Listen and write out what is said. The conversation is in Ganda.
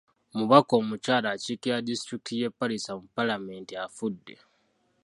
Omubaka omukyala akiiririra disitulikiti y'e Palisa mu Paalamenti afudde.